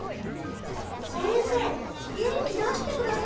せ先生元気出してください。